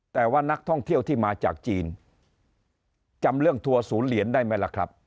แต่ว่านักท่องเที่ยวที่มาจากจีนจำเรื่องทัวร์ศูนย์เหรียญได้ไหมล่ะครับ